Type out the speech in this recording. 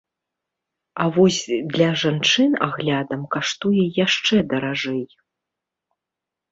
А вось для жанчын аглядам каштуе яшчэ даражэй.